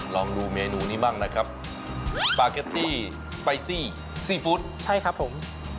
ลองดูเมนูนี้มั่งนะครับซิฟูดใช่ครับผม